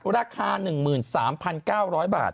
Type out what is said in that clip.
ราคา๑๓๙๐๐บาท